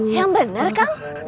yang benar kang